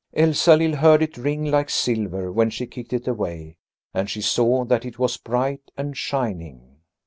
Elsalill heard it ring like silver when she kicked it away, and she saw that it was bright and shining.